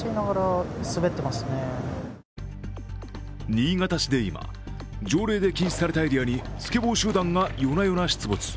新潟市で今、条例で禁止されたエリアにスケボー集団が夜な夜な出没。